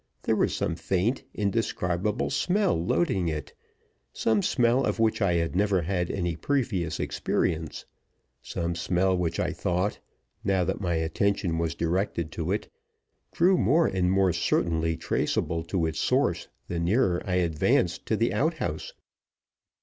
There was some faint, indescribable smell loading it some smell of which I had never had any previous experience some smell which I thought (now that my attention was directed to it) grew more and more certainly traceable to its source the nearer I advanced to the outhouse.